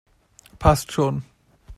Passt schon!